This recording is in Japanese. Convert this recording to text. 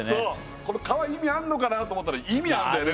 この皮意味あんのかなと思ったら意味あんだよね